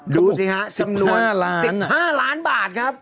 ดูสิฮะจำนวน๑๕ล้านบาทครับ